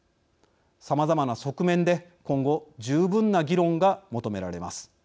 さまざまな側面で今後十分な議論が求められます。